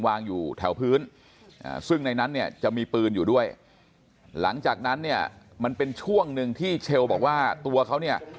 วางอยู่แถวพื้นซึ่งในนั้นเนี่ยจะมีปืนอยู่ด้วยหลังจากนั้นเนี่ยมันเป็นช่วงหนึ่งที่เชลบอกว่าตัวเขาเนี่ย